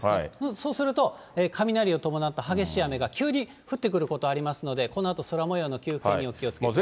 そうすると、雷を伴った激しい雨が急に降ってくることありますので、このあと、空もようの急変にお気をつけください。